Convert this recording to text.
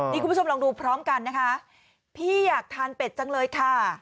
นี่คุณผู้ชมลองดูพร้อมกันนะคะพี่อยากทานเป็ดจังเลยค่ะ